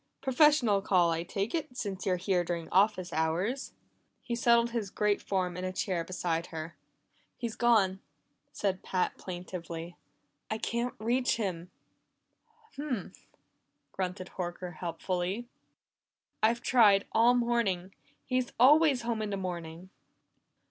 "Professional call, I take it, since you're here during office hours." He settled his great form in a chair beside her. "He's gone!" said Pat plaintively. "I can't reach him." "Humph!" grunted Horker helpfully. "I've tried all morning he's always home in the morning."